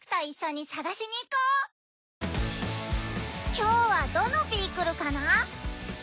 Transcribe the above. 今日はどのビークルかな？